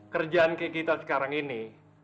kerjaan kita sekarang ini